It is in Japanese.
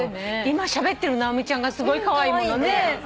今しゃべってる直美ちゃんがすごいカワイイものね。